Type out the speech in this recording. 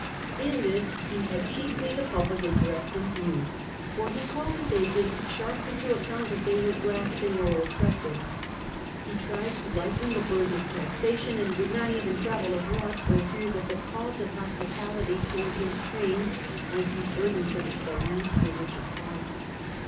In this he had chiefly the public interest in view, for he called his agents sharply to account if they were grasping or oppressive ; he tried to lighten the burden of taxation, and would not even travel abroad for fear He did not that the calls of hospitality towards his train abrold, but might be burdensome to the lands through which it passed.